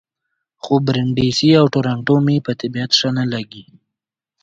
خو برېنډېسي او تارانتو مې په طبیعت ښه نه لګي.